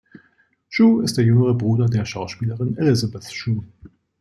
Shue ist der jüngere Bruder der Schauspielerin Elisabeth Shue.